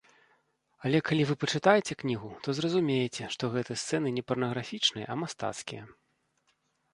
Але калі вы пачытаеце кнігу, то зразумееце, што гэтыя сцэны не парнаграфічныя, а мастацкія.